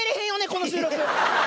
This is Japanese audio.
この収録！